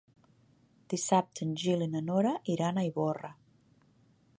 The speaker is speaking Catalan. Dissabte en Gil i na Nora iran a Ivorra.